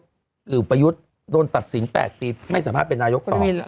คือประยุทธ์โดนตัดสิน๘ปีไม่สามารถเป็นนายกต่อ